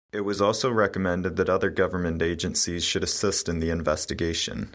It was also recommended that other government agencies should assist in the investigation.